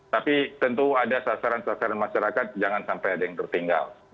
tapi tentu ada sasaran sasaran masyarakat jangan sampai ada yang tertinggal